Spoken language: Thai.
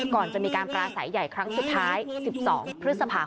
ก่อนจะมีการปราศัยใหญ่ครั้งสุดท้าย๑๒พฤษภาค